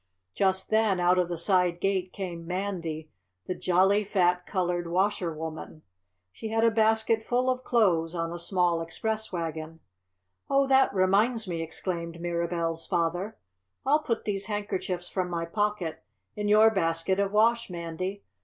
Just then out of the side gate came Mandy, the jolly fat colored washer woman. She had a basket full of clothes on a small express wagon. "Oh, that reminds me!" exclaimed Mirabell's father. "I'll put these handkerchiefs from my pocket in your basket of wash, Mandy!